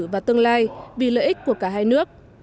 và tương lai vì lợi ích của cả hai nước